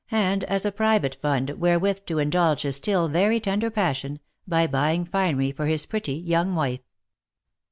and as a private fund wherewith to indulge his still very tender passion, by buying finery for his pretty young wife.